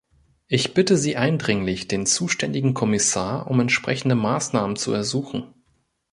Ich bitte Sie eindringlich, den zuständigen Kommissar um entsprechende Maßnahmen zu ersuchen.